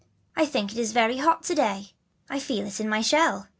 I think it's very hot to day, I feel it in my shell."